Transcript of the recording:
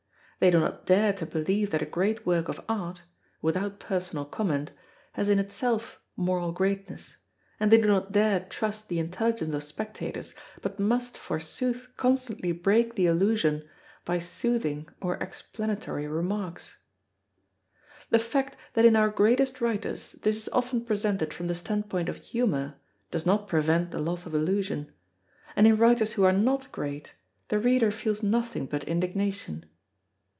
They do not dare to believe that a great work of Art without personal comment has in itself moral greatness, and they do not dare trust the intelligence of spectators, but must forsooth constantly break the illusion by soothing or explanatory remarks. The fact that in our greatest writers this is often presented from the standpoint of humour, does not prevent the loss of illusion; and in writers who are not great, the reader feels nothing but indignation.